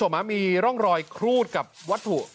มีร่องรอยครูดกับวัตถุ